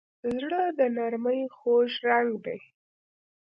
زړه د نرمۍ خوږ رنګ دی.